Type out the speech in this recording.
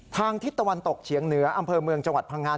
ทิศตะวันตกเฉียงเหนืออำเภอเมืองจังหวัดพังงา